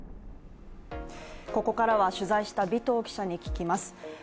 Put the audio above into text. ここからは取材した尾藤記者に聞きます。